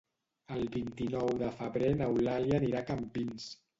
El vint-i-nou de febrer n'Eulàlia anirà a Campins.